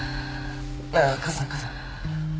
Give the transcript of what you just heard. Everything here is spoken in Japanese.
あっ母さん母さん。